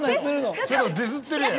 ちょっとディスってるやん。